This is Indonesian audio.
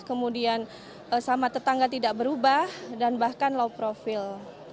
kemudian sama tetangga tidak berubah dan bahkan low profil